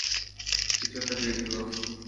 কিছু একটা পেয়েছি বস।